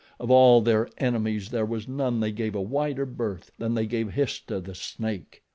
Of all their enemies there was none they gave a wider berth than they gave Histah, the snake.